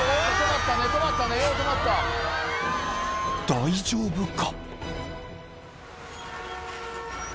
［大丈夫か！？］